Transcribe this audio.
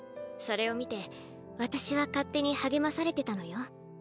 それを見て私は勝手に励まされてたのよ。